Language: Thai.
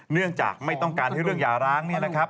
เนื่องจากไม่ต้องการให้เรื่องยาร้างเนี่ยนะครับ